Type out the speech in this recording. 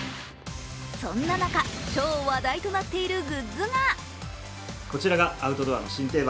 そんな中、超話題となっているグッズが！